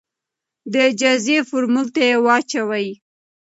د تجزیې فورمول ته واچوې ،